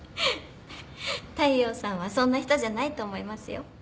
大陽さんはそんな人じゃないと思いますよ。